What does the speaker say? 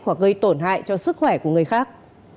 hoặc gây tổn hại cho sức khỏe của người khác